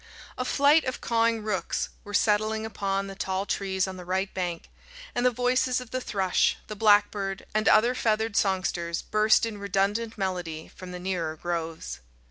A flight of cawing rooks were settling upon the tall trees on the right bank, and the voices of the thrush, the blackbird, and other feathered songsters burst in redundant melody from the nearer groves.